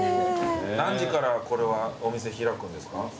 何時からこれはお店開くんですか？